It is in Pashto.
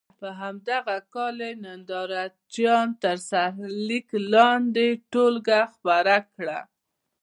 په همدغه کال یې ننداره چیان تر سرلیک لاندې ټولګه خپره کړه.